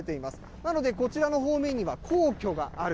なのでこちらの方面には皇居がある。